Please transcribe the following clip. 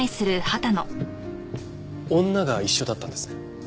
女が一緒だったんですね。